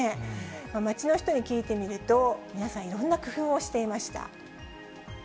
街の人に聞いてみると、皆さんいろんな工夫をしていました。